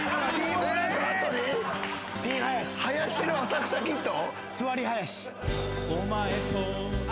「林の『浅草キッド』？」